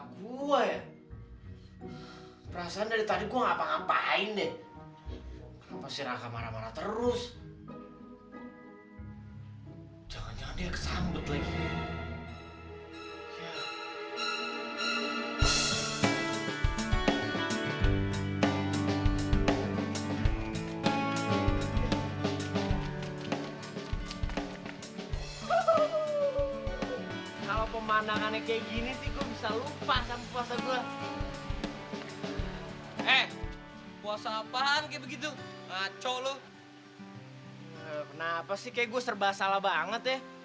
kenapa sih kayak gue serba salah banget ya